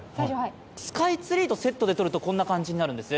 スカイツリーとセットで撮るとこんな感じになるんです。